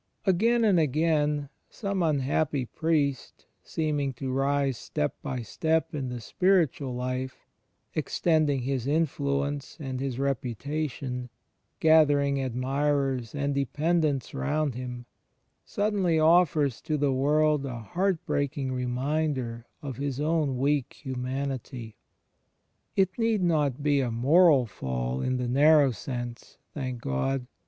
Again and again, some unhappy priest, seeming to rise step by step in the spiritual life, extending his influence and his reputation, gathering admirers and dependents round him, suddenly offers to the world a heart breaking reminder of his own weak humanity. It need not be a moral fall — in the narrow sense — thank God!